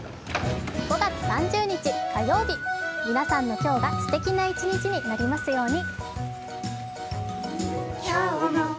５月３０日、火曜日、皆さんの今日がすてきな一日になりますように。